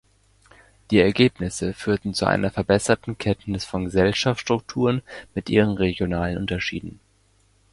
Die Ergebnisse führten zu einer verbesserten Kenntnis von Gesellschaftsstrukturen mit ihren regionalen Unterschieden.